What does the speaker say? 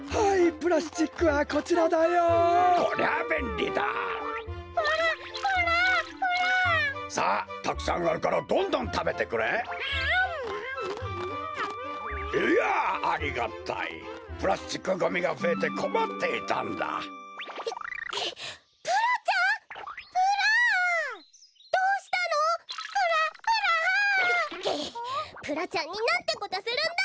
プラちゃんになんてことするんだ！